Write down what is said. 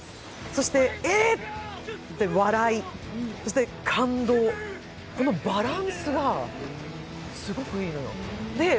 それから笑い、そして感動、このバランスがすごくいいのよ。